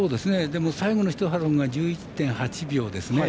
最後の一走りが１１．８秒ですね。